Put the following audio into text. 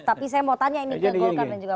tapi saya mau tanya ini ke golkar dan juga